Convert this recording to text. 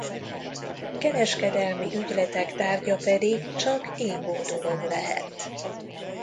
Kereskedelmi ügyletek tárgya pedig csak ingó dolog lehet.